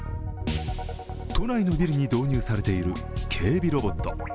都内のビルに導入されている警備ロボット。